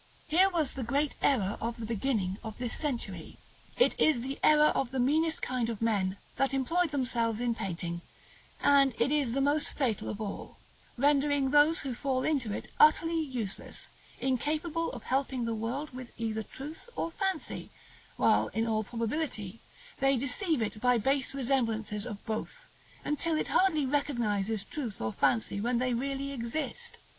Here was the great error of the beginning of this century; it is the error of the meanest kind of men that employ themselves in painting, and it is the most fatal of all, rendering those who fall into it utterly useless, incapable of helping the world with either truth or fancy, while, in all probability, they deceive it by base resemblances of both, until it hardly recognizes truth or fancy when they really exist.